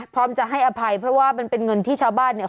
พร้อมจะให้อภัยเพราะว่ามันเป็นเงินที่ชาวบ้านเนี่ย